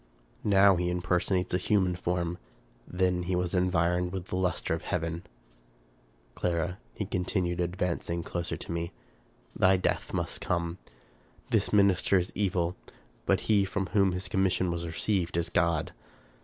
Now he 296 Charles Brockden Brown personates a human form; then he was environed with the luster of heaven. " Clara," he continued, advancing closer to me, " thy death must come. This minister is evil, but he from whom his commission was received is God.